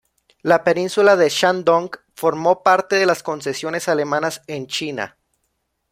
La península de Shandong, formó parte de las concesiones alemanas en China.